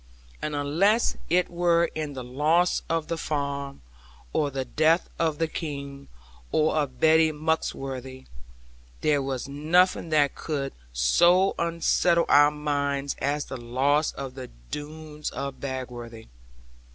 And unless it were in the loss of the farm, or the death of the King, or of Betty Muxworthy, there was nothing that could so unsettle our minds as the loss of the Doones of Bagworthy.